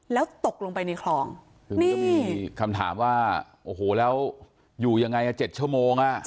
แล้วตกลงไปในคลองนี่ก็มีคำถามว่าโอ้โหแล้วอยู่ยังไง๗ชั่วโมง